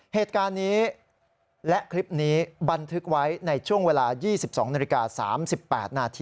เหตุการณ์นี้และคลิปนี้บันทึกไว้ในช่วงเวลา๒๒นาฬิกา๓๘นาที